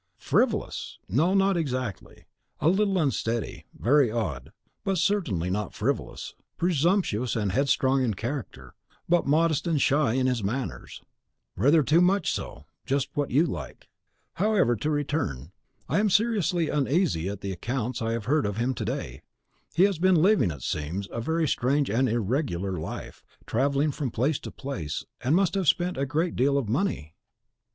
"Frivolous! no, not exactly; a little unsteady, very odd, but certainly not frivolous; presumptuous and headstrong in character, but modest and shy in his manners, rather too much so, just what you like. However, to return; I am seriously uneasy at the accounts I have heard of him to day. He has been living, it seems, a very strange and irregular life, travelling from place to place, and must have spent already a great deal of money."